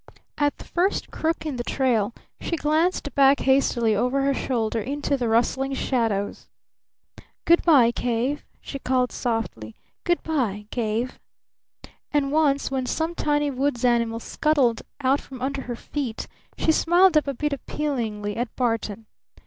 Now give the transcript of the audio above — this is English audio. At the first crook in the trail she glanced back hastily over her shoulder into the rustling shadows. "Good by, Cave!" she called softly. "Good by, Cave!" And once when some tiny woods animal scuttled out from under her feet she smiled up a bit appealingly at Barton.